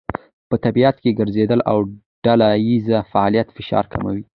په طبیعت کې ګرځېدل او ډلهییز فعالیت فشار کموي.